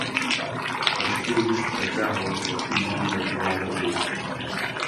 Пашкевіч працягвалася прыблізна два гады.